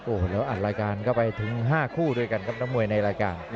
โอ้โหเราอัดรายการเข้าไปถึง๕คู่ด้วยกันครับนักมวยในรายการ